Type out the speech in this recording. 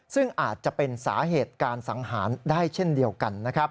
ซึ่งอาจจะเป็นสาเหตุการสังหารได้เช่นเดียวกันนะครับ